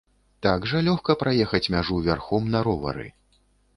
Так жа лёгка пераехаць мяжу вярхом на ровары!